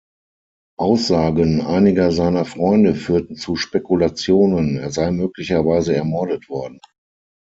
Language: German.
Aussagen einiger seiner Freunde führten zu Spekulationen, er sei möglicherweise ermordet worden.